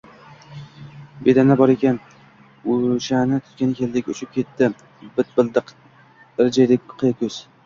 Bedana bor ekan, oʻshani tutgani keldik. Uchib ketdi: bit-bildiq, – irjaydi qiyiqkoʻz.